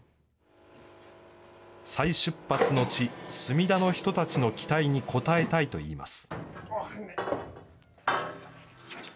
再出発の地、墨田の人たちの期待に応えたいといいます。